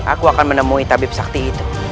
aku akan menemui tabib sakti itu